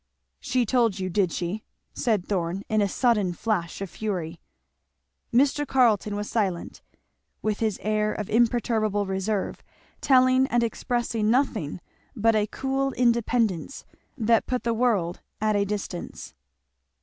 "She told you, did she?" said Thorn in a sudden flash of fury. Mr. Carleton was silent, with his air of imperturbable reserve, telling and expressing nothing but a cool independence that put the world at a distance.